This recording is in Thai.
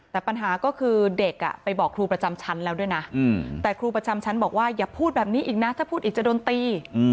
แต่ปัญหาก็คือเด็กไปบอกครูประจำชั้นแล้วด้วยนะแต่ครูประจำชั้นบอกว่าอย่าพูดแบบนี้อีกนะถ้าพูดอีกจะโดนตี